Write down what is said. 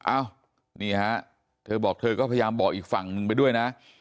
อ้าวนี่ฮะเธอบอกเธอก็พยายามบอกอีกฝั่งหนึ่งไปด้วยนะ